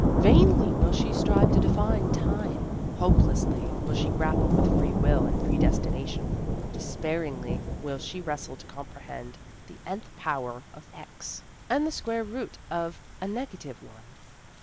Vainly will she strive to define Time ; hopelessly will she grapple with Free Will and Predestination ; despair ingly will she wrestle to comprehend the nth power of x, and the square root of a negative one."